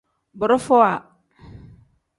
Borofowa.